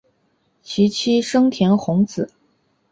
其妻笙田弘子。